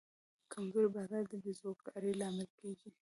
کمزوری بازار د بیروزګارۍ لامل کېږي.